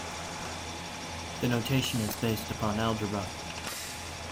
The notation is based upon algebra.